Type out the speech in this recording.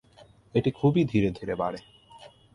এটি খুবই ধীরে ধীরে বাড়ে।